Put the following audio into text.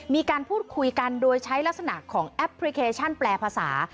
มีการพูดคุยกันโดยใช้ลักษณะของแอปพลิเคชันแปลภาษา